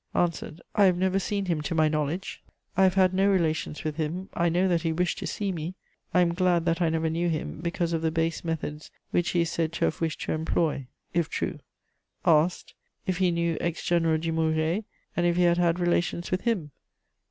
Answered: "I have never seen him, to my knowledge. I have had no relations with him. I know that he wished to see me. I am glad that I never knew him, because of the base methods which he is said to have wished to employ, if true." Asked: If he knew ex General Dumouriez, and if he had had relations with him?